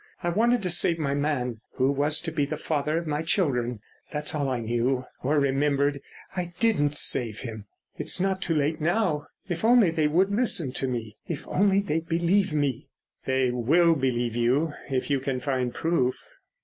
I wanted to save my man—who was to be the father of my children. That's all I knew or remembered. I didn't save him. It's not too late now—if only they would listen to me, if only they'd believe me." "They will believe you if you can find proof."